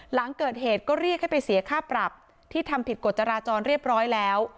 หลังเกิดเหตุก็เรียกให้ไปเสียค่าปรับที่ทำผิดกฎจราจรเรียบร้อยแล้ว